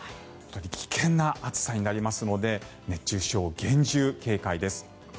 危険な暑さになりますので熱中症、厳重警戒です。